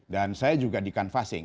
dan saya juga di kanvasing